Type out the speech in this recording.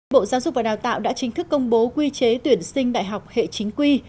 bộ giáo dục và đào tạo đã chính thức công bố quy chế tuyển sinh đại học hệ chính quy